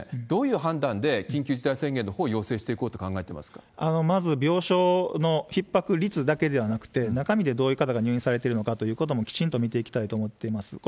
どういう判断で緊急事態宣言のほう、まず、病床のひっ迫率だけではなくて、中身でどういう方が入院されてるのかということもきちんと見ていきたいと思ってます。